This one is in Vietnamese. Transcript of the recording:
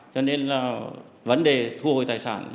cho nên là vấn đề thu hồi tài sản